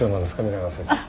皆川先生。